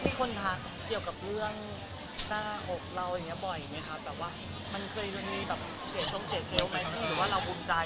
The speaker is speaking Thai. มีคนถามเกี่ยวกับเรื่องหน้าออกเราอย่างนี้บ่อยไหมคะ